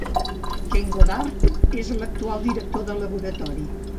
Ken Goddard és l'actual director de laboratori.